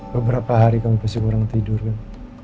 beberapa hari kamu masih kurang tidur kan